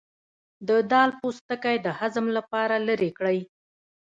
د دال پوستکی د هضم لپاره لرې کړئ